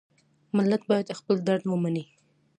ملت باید خپل درد ومني.